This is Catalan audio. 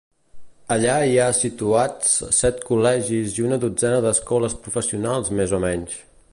Allà hi ha situats set col·legis i una dotzena d'escoles professionals més o menys.